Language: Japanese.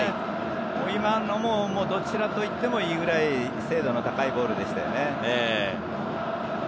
今のもどちらといってもいいぐらい精度の高いボールでしたよね。